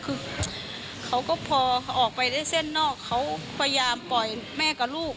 คือเขาก็พอออกไปได้เส้นนอกเขาพยายามปล่อยแม่กับลูก